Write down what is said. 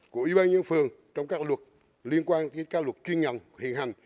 của ủy ban nhân phường trong các luật liên quan đến các luật chuyên nhận hiện hành